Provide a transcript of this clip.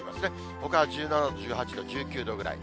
ほかは１７度、１８度、１９度ぐらい。